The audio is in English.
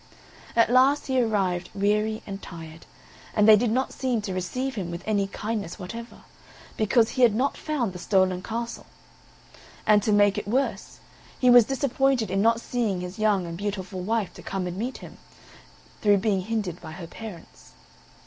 At last he arrived weary and tired, and they did not seem to receive him with any kindness whatever, because he had not found the stolen castle; and to make it worse, he was disappointed in not seeing his young and beautiful wife to come and meet him, through being hindered by her parents.